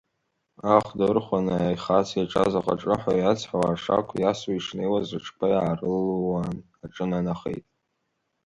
Ахәда ырхәаны, аихац иаҿаз аҟаҿыҳәа иацҳауа, ашақә иасуа ишнеиуаз, аҽқәа иаарылууаан аҿынанахеит.